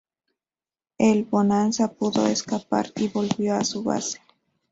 El "Bonanza" pudo escapar y volvió a su base.